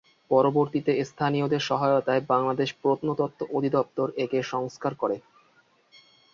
পরবর্তীতে স্থানীয়দের সহয়তায় বাংলাদেশ প্রত্নতত্ত্ব অধিদপ্তর একে সংস্কার করে।